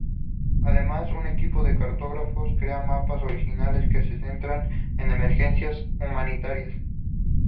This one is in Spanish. Además, un equipo de cartógrafos crea mapas originales que se centran en emergencias humanitarias.